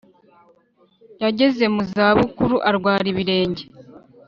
yagez mu za bukuru arwara ibirenge